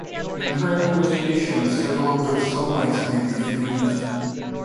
In current crustaceans, several of those somites may be fused.